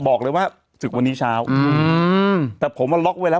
บอกเลยว่าศึกวันนี้เช้าอืมแต่ผมว่าล็อกไว้แล้ว